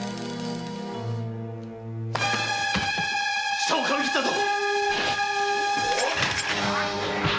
舌を噛み切ったぞ！